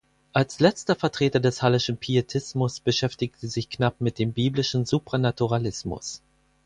Als letzter Vertreter des Hallischen Pietismus, beschäftigte sich Knapp mit dem biblischen Supranaturalismus.